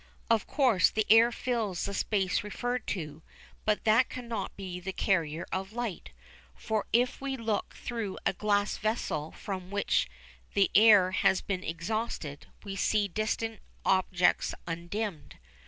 Of course the air fills the space referred to, but that cannot be the carrier of light, for if we look through a glass vessel from which the air has been exhausted we see distant objects undimmed.